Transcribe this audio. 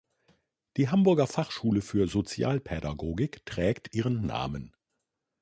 Die Hamburger Fachschule für Sozialpädagogik trägt ihren Namen.